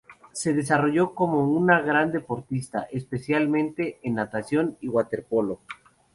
Se desarrolló como un gran deportista, especialmente en natación y waterpolo.